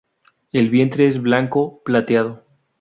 El vientre es blanco plateado.